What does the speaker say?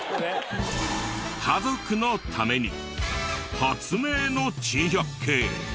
家族のために発明の珍百景。